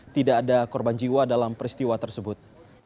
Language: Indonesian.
tidak ada korban jiwa dalam peristiwa tersebut